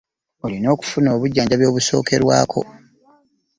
Olina okufuna obujanjabi obusokebwako.